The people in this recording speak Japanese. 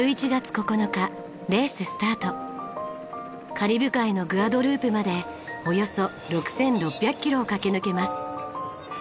カリブ海のグアドループまでおよそ６６００キロを駆け抜けます。